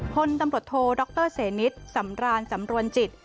พลตำรวจโทดรเสนิทสำรานสำรวนจิต